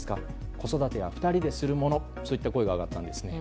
子育ては２人でするものといった声が上がったんです。